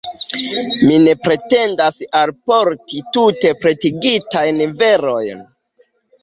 Mi ne pretendas alporti tute pretigitajn verojn.